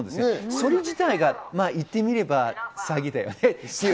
それ自体が言ってみれば詐欺だよねっていう。